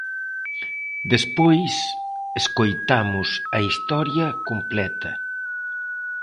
Despois, escoitamos a historia completa.